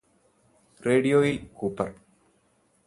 റേഡിയോയിൽ കൂപര്